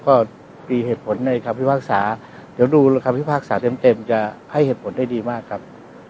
ก็มีเหตุผลในคำพิพากษาเดี๋ยวดูคำพิพากษาเต็มจะให้เหตุผลได้ดีมากครับ